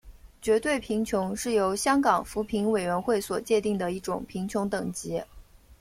绝对贫穷是由香港扶贫委员会所界定的一种贫穷层级。